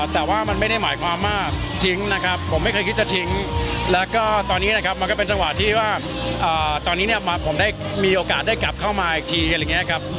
แต่ว่ามันไม่ได้หมายความว่าทิ้งนะครับผมไม่เคยคิดจะทิ้งแล้วก็ตอนนี้นะครับมันก็เป็นจังหวะที่ว่าตอนนี้เนี่ยผมได้มีโอกาสได้กลับเข้ามาอีกทีอะไรอย่างนี้ครับ